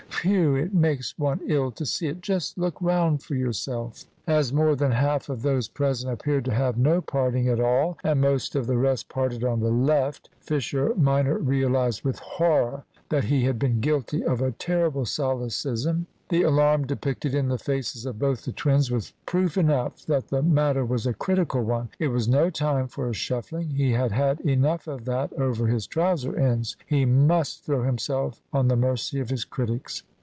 Whew! it makes one ill to see it! Just look round for yourself." As more than half of those present appeared to have no parting at all, and most of the rest parted on the left, Fisher minor realised with horror that he had been guilty of a terrible solecism. The alarm depicted in the faces of both the twins was proof enough that the matter was a critical one. It was no time for shuffling. He had had enough of that over his trouser ends. He must throw himself on the mercy of his critics.